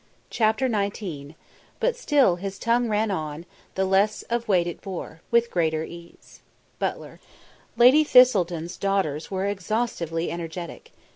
CHAPTER SIX "But still his tongue ran on, the less Of weight it bore, with greater ease." BUTLER. Lady Thistleton's daughters were exhaustively energetic.